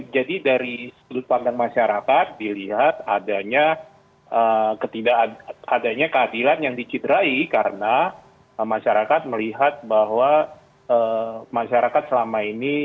jadi dari sudut pandang masyarakat dilihat adanya keadilan yang diciderai karena masyarakat melihat bahwa masyarakat selama ini